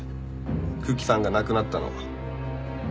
久喜さんが亡くなったの。